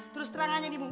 terus terangannya nih bu